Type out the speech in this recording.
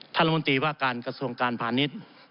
ท่านลมนตีว่าการกระสวงการพลาณิชย์